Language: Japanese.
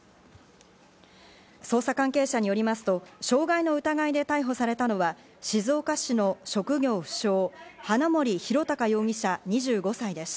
捜査関係者によりますと、傷害の疑いで逮捕されたのは静岡市の職業不詳、花森弘卓容疑者２５歳です。